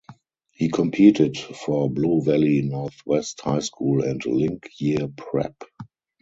He competed for Blue Valley Northwest High School and Link Year Prep.